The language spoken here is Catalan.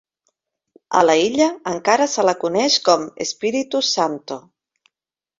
A la illa encara se la coneix com Espiritu Santo.